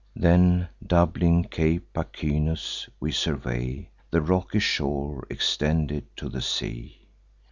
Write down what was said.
Then, doubling Cape Pachynus, we survey The rocky shore extended to the sea.